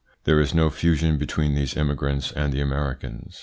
There is no fusion between these immigrants and the Americans.